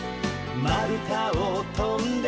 「まるたをとんで」